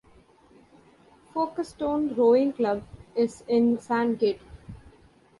Folkestone Rowing Club is in Sandgate.